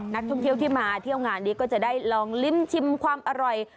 นักท่องเที่ยวที่มาเที่ยวงานนี้ก็จะได้ลองลิ้มชิมความอร่อย